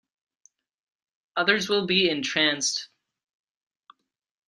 Others will be entranced.